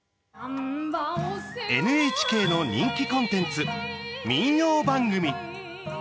ＮＨＫの人気コンテンツ民謡番組。